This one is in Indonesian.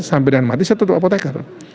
sampai dia mati saya tetap apotekar